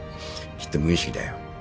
きっと無意識だよ。